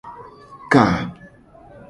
Ka.